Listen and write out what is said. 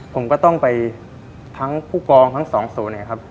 ผมก็ต้องไปทั้งผู้กองทั้งสองศูนย์นะครับ